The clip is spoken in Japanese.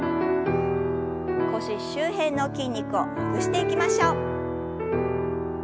腰周辺の筋肉をほぐしていきましょう。